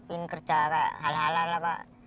in kerja hal halalah apa